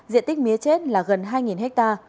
diện tích mía chết là gần hai ha